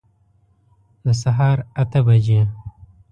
د سهار اته بجي